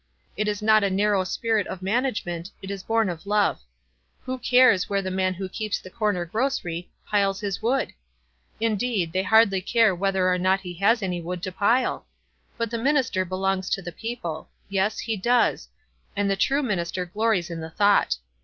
It is not a narrow spirit of manage ment, it is born of love. Who cares where the man who keeps the corner grocery, piles his WISE AXD OTHERWISE. 137 wood? Indeed, they hardly care whether or not he has any wood to pile. But the minister belongs to the people. Yes, he does : and the true minister glories in the thought.